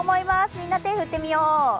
みんな手を振ってみよう。